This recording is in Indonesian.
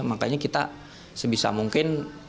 makanya kita sebisa mungkin